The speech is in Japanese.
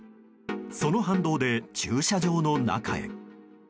その反動で、駐車場の中へ。